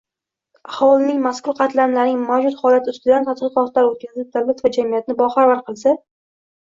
aholining mazkur qatlamlarining mavjud holati ustidan tadqiqotlar o‘tkazib davlat va jamiyatni boxabar qilsa